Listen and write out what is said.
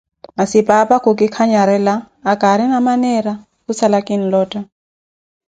Masi paapa khuki kanyarela, akaarina maneera, kusala kinlotta.